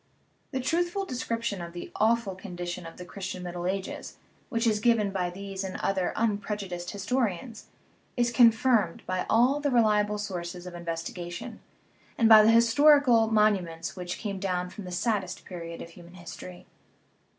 The truthful description of the awful condition of the Christian Middle Ages, which is given by these and other unprejudiced historians, is confirmed by all the 3*5 THE RIDDLE OF THE UNIVERSE reliable sources of investigation, and by the historical monuments which have come down from the saddest period of human history.